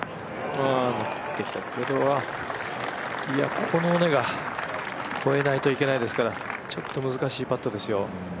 ここの尾根が越えないといけないですから、ちょっと難しいパットですよ。